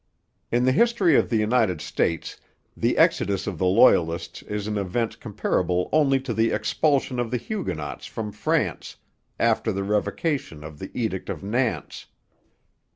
In the history of the United States the exodus of the Loyalists is an event comparable only to the expulsion of the Huguenots from France after the revocation of the Edict of Nantes.